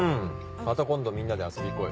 また今度みんなで遊び行こうよ。